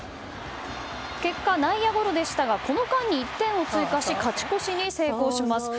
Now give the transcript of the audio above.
結果、内野ゴロでしたがこの間に１点を追加し勝ち越しに成功します。